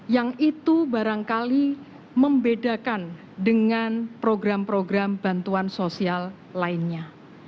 yang itu barangkali membedakan dengan program program bantuan sosial lainnya